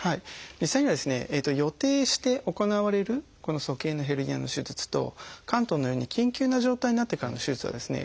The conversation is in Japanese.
実際にはですね予定して行われる鼠径のヘルニアの手術と嵌頓のように緊急な状態になってからの手術はですね